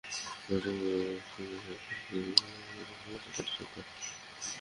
নটিংহ্যামশায়ারের হয়ে খেলতে নেমে তিনি গ্ল্যামারগনের ম্যালকম ন্যাশকে মেরেছিলেন সেই ছয়টি ছক্কা।